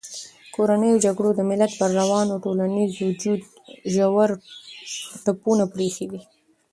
کورنیو جګړو د ملت پر روان او ټولنیز وجود ژور ټپونه پرېښي دي.